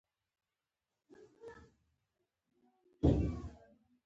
پوهېږي چې کله کله تاوده خوري.